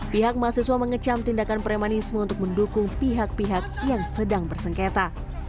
pihak mahasiswa mengecam tindakan premanisme untuk mendukung pihak pihak yang sedang bersengketa